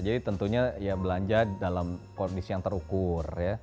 jadi tentunya belanja dalam kondisi yang terukur